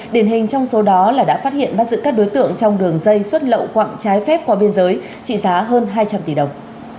điển hình trong số đó là đã phát hiện bắt giữ các đối tượng trong đường dây xuất lậu quặng trái phép qua biên giới trị giá hơn hai trăm linh tỷ đồng